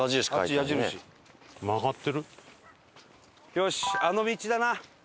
よしあの道だな！